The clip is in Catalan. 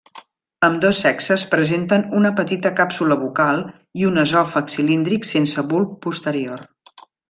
Ambdós sexes presenten una petita càpsula bucal i un esòfag cilíndric sense bulb posterior.